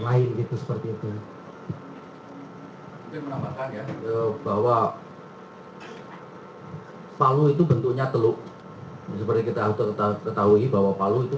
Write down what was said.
lain gitu seperti itu bahwa hai palu itu bentuknya teluk seperti kita tetap ketahui bahwa palu itu